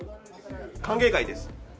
歓迎会です。